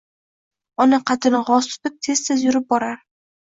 Ona qaddini g’oz tutib, teztez yurib borar